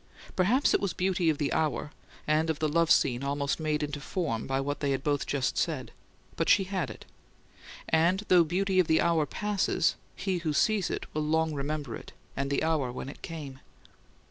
Perhaps it was beauty of the hour, and of the love scene almost made into form by what they had both just said, but she had it; and though beauty of the hour passes, he who sees it will long remember it and the hour when it came.